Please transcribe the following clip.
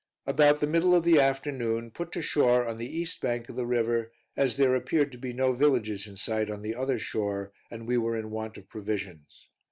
About the middle of the afternoon, put to shore on the east bank of the river, as there appeared to be no villages in sight on the other shore, and we were in want of provisions.